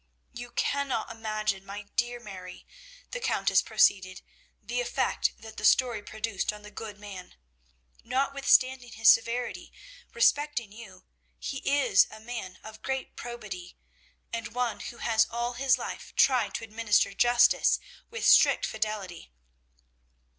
"You cannot imagine, my dear Mary," the Countess proceeded, "the effect that the story produced on the good man. Notwithstanding his severity respecting you, he is a man of great probity, and one who has all his life tried to administer justice with strict fidelity.